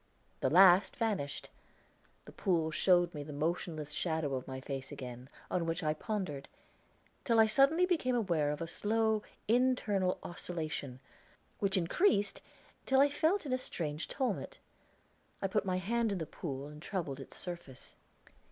The last vanished; the pool showed me the motionless shadow of my face again, on which I pondered, till I suddenly became aware of a slow, internal oscillation, which increased till I felt in a strange tumult. I put my hand in the pool and troubled its surface.